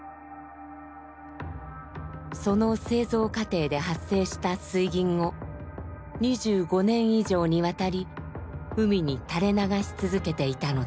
その製造過程で発生した水銀を２５年以上にわたり海に垂れ流し続けていたのです。